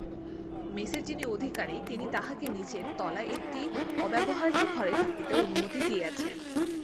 মেসের যিনি অধিকারী তিনি তাহাকে নীচের তলার একটি অব্যবহার্য ঘরে থাকিতে অনুমতি দিয়াছেন।